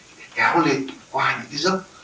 để kéo lên qua những cái giấc